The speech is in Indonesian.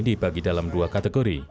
dibagi dalam dua kategori